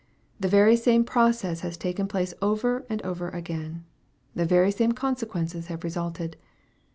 The very same process has taken place over and over again. The very same consequences have resulted.